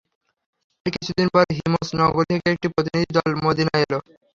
এর কিছুদিন পর হিমস নগরী থেকে একটি প্রতিনিধি দল মদীনায় এল।